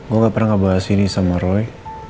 gue gak pernah ngebahas ini sama roy